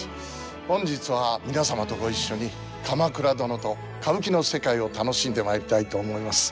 本日は皆様とご一緒に「鎌倉殿」と歌舞伎の世界を楽しんでまいりたいと思います。